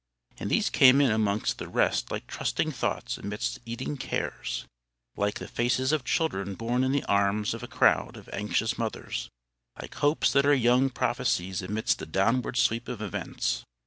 And these came in amongst the rest like trusting thoughts amidst "eating cares;" like the faces of children borne in the arms of a crowd of anxious mothers; like hopes that are young prophecies amidst the downward sweep of events.